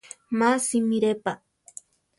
Má simire pa.